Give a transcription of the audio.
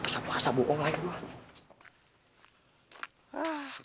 kesabuan asap buong lagi gue